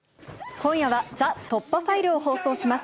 今夜はＴＨＥ突破ファイルを放送します。